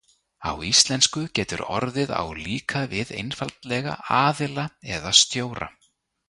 Á íslensku getur orðið á líka við einfaldlega „aðila“ eða „stjóra“.